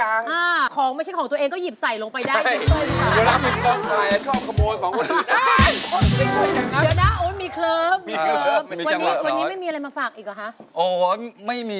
วันนี้ไม่มีอะไรมาฝากอีกหรอฮะ